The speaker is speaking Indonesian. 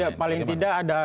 ya paling tidak ada